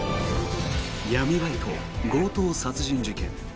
闇バイト強盗殺人事件。